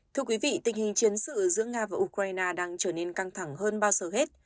thưa quý vị tình hình chiến sự giữa nga và ukraine đang trở nên căng thẳng hơn bao giờ hết